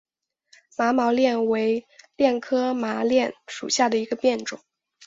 毛麻楝为楝科麻楝属下的一个变种。